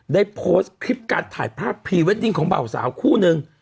ได้โพสต์คลิปการถ่ายภาพพรีเวดดิ้งของเบาสาวคู่นึง